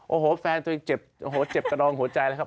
โอ้โหแฟนตัวเองเจ็บโอ้โหเจ็บกระดองหัวใจเลยครับ